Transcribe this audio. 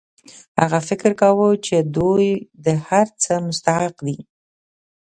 هغه فکر کاوه چې دوی د هر څه مستحق دي